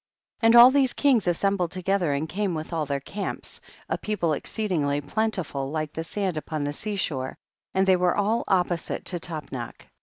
And all these kings assembled together and came with all their camps, a people exceedingly plenti ful like the sand upon the sea shore, and they were all opposite to Tap nach.